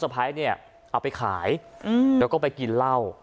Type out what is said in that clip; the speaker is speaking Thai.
พ้ายเนี่ยเอาไปขายแล้วก็ไปกินเหล้า